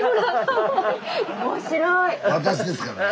「私ですからね」。